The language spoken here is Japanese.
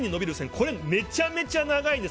これ、めちゃめちゃ長いんです。